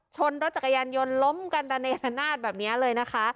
ชนรถจักรยานยนต์ล้มกันระเนรนาศแบบนี้เลยนะคะ